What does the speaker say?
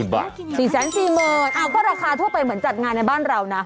๔๔๐๐๐ก็ราคาทั่วไปเหมือนจัดงานในบ้านเรานะ